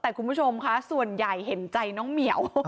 แต่คุณผู้ชมค่ะส่วนใหญ่เห็นใจน้องเหมียว